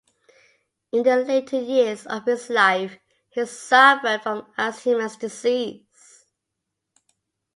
In the later years of his life he suffered from Alzheimer's disease.